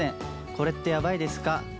これってヤバいですか？」。